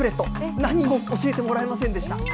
何も教えてもらえませんでした。